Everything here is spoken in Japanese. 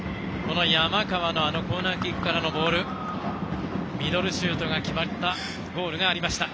山川のコーナーキックからのボールにミドルシュートが決まったゴールがありました。